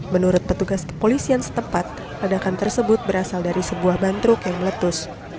menurut petugas kepolisian setempat ledakan tersebut berasal dari sebuah bantruk yang meletus